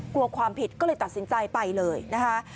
กลัวความผิดก็เลยตัดสินใจไปเลยนะคะ